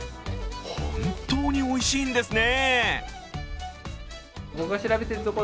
本当においしいんですね。